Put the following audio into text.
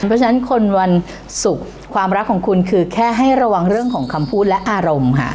เพราะฉะนั้นคนวันศุกร์ความรักของคุณคือแค่ให้ระวังเรื่องของคำพูดและอารมณ์ค่ะ